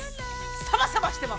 サバサバしてます！